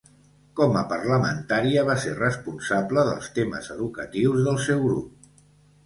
Com a parlamentària va ser responsable dels temes educatius del seu grup.